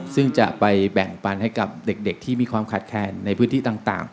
ซึ่งจะไปแบ่งปันให้กับเด็กที่มีความขาดแคลนในพื้นที่ต่าง